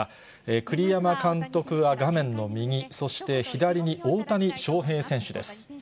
栗山監督は画面の右、そして、左に大谷翔平選手です。